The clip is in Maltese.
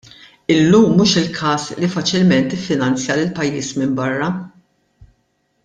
Illum mhux il-każ li faċilment tiffinanzja lill-pajjiż minn barra.